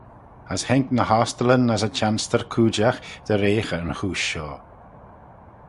As haink ny ostyllyn as y chanstyr cooidjagh dy reaghey yn chooish shoh.